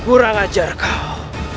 kurang ajar kau